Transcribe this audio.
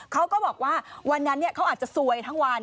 เขาก็บอกว่าวันนั้นเขาอาจจะซวยทั้งวัน